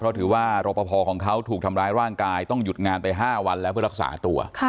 เพราะถือว่ารอปภของเขาถูกทำร้ายร่างกายต้องหยุดงานไป๕วันแล้วเพื่อรักษาตัว